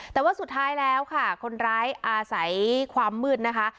แต่ว่าสุดท้ายแล้วค่ะคนร้ายอาศัยความมืดนะคะ